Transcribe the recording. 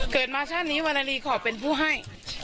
เกิดมาช่างนี้วรรณรีขอเป็นผู้ให้